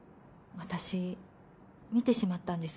私見てしまったんです